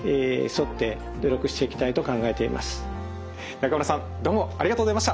中村さんどうもありがとうございました。